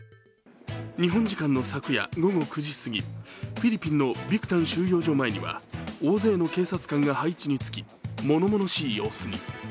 日本時間の昨夜午後９時過ぎフィリピンのビクタン収容所前には大勢の警察官が配置につき物々しい様子に。